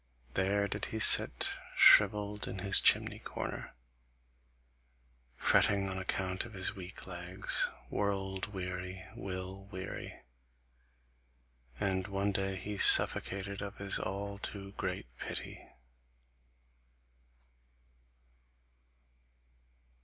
There did he sit shrivelled in his chimney corner, fretting on account of his weak legs, world weary, will weary, and one day he suffocated of his all too great pity."